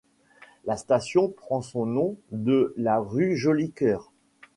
La station prend son nom de la rue Jolicoeur.